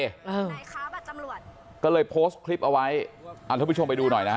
ไหนคะบัตรตำรวจก็เลยโพสต์คลิปเอาไว้อ่าท่านผู้ชมไปดูหน่อยนะฮะ